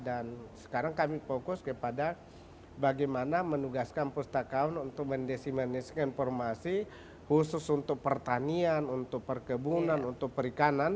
dan sekarang kami fokus kepada bagaimana menugaskan pustakaun untuk mendesimasi informasi khusus untuk pertanian untuk perkebunan untuk perikanan